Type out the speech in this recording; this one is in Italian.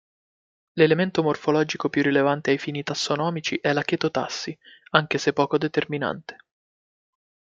L'elemento morfologico più rilevante ai fini tassonomici è la chetotassi, anche se poco determinante.